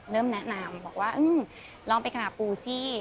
เริ่มแนะนำบอกว่าลองไปขนาดปูสิ